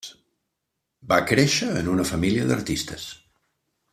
Va créixer en una família d'artistes.